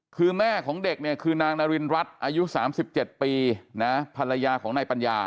คือแม่ของเด็กเนี่ยคือนางนารินรัฐอายุ๓๗ปีนะภรรยาของนายปัญญา